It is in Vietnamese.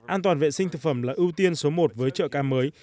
an toàn vệ sinh thực phẩm là ưu tiên số một với chợ cam mới